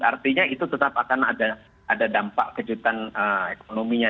artinya itu tetap akan ada dampak kejutan ekonominya